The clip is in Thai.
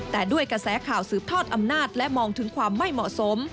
แต่ด้วยกระแสข่าวสืบทอดอำนาจและมองถึงความไม่เหมาะสม